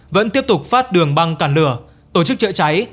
vẫn tiếp tục phát đường băng cản lửa tổ chức chữa cháy